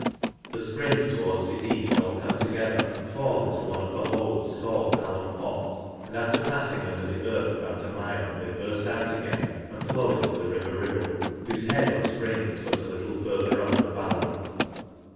The fprings towards the eaft all cCme together, and fall into one of the holes, called Man Pott; and after palling under the earth about a mile, they burft out again, and flow into the river Ribble y whofe head or fpring is but a little further up the valley.